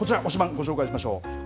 ご紹介しましょう。